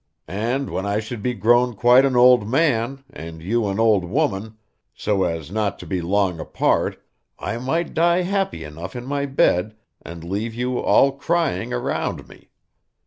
And when I should be grown quite an old man, and you an old woman, so as not to be long apart, I might die happy enough in my bed, and leave you all crying around me.